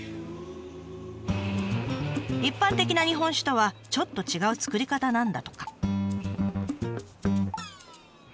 一般的な日本酒とはちょっと違う造り方なんだとか。